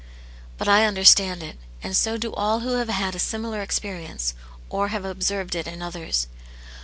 '' But I understand it, and so do all who have had a similar experience, or have observed it in others.